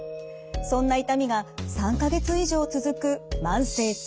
そんな痛みが３か月以上続く慢性痛。